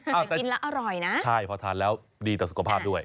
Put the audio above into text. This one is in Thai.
แต่กินแล้วอร่อยนะใช่พอทานแล้วดีต่อสุขภาพด้วย